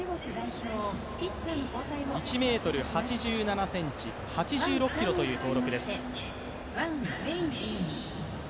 １ｍ８７ｃｍ、８６ｋｇという登録です。